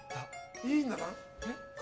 いいんだな。